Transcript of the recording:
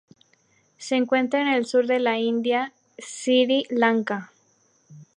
Se encuentra en el sur de la India y Sri Lanka.